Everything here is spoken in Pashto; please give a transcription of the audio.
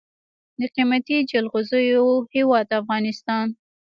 د قیمتي جلغوزیو هیواد افغانستان.